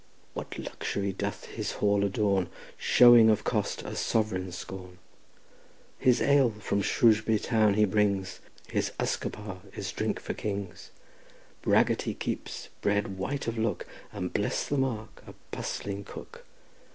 What luxury doth his hall adorn, Showing of cost a sovereign scorn; His ale from Shrewsbury town he brings; His usquebaugh is drink for kings; Bragget he keeps, bread white of look, And, bless the mark! a bustling cook.